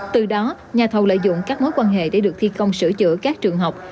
từ đó nhà thầu lợi dụng các mối quan hệ để được thi công sửa chữa các trường học